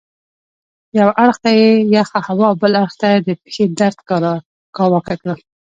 یوه اړخ ته یخې هوا او بل اړخ ته د پښې درد کاواکه کړم.